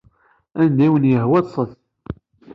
Anda i awen-yehwa ṭṭset.